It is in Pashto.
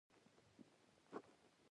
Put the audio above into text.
استاد موږ ته لوست راکړ.